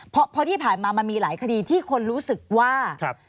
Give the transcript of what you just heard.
เพราะที่ผ่านมามันมีหลายคดีที่คนรู้สึกว่า